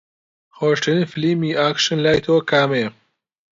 خۆشترین فیلمی ئاکشن لای تۆ کامەیە؟